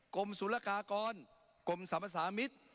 กรมศุลกากรกรมสรรพสามิตร